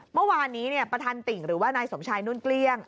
เมื่อวานนี้ประธานติ่งหรือว่านายสมชายนุ่นเกลี้ยง